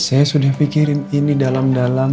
saya sudah pikirin ini dalam dalam